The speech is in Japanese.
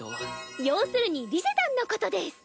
要するにリゼたんのことです。